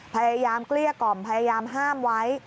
พยายามเกลี้ยกอ่มพยายามห้ามไว้